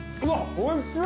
おいしい！